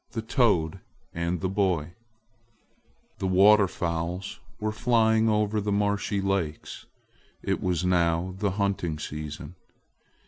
THE TOAD AND THE BOY THE water fowls were flying over the marshy lakes. It was now the hunting season.